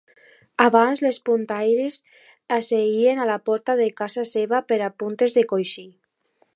Abans les puntaires s'asseien a la porta de casa seva a fer puntes de coixí.